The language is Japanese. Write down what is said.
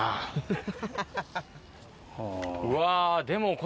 うわでも。